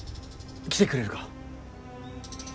来てくれるか。